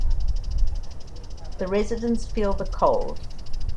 The residents feel the cold.